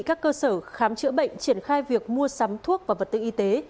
các cơ sở khám chữa bệnh triển khai việc mua sắm thuốc và vật tư y tế